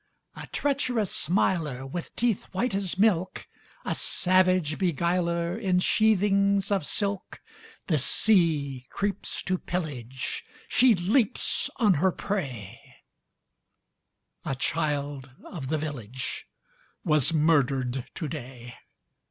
A treacherous smiler With teeth white as milk, A savage beguiler In sheathings of silk The sea creeps to pillage, She leaps on her prey; A child of the village Was murdered today.